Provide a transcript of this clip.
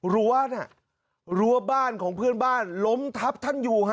รั้วน่ะรั้วบ้านของเพื่อนบ้านล้มทับท่านอยู่ฮะ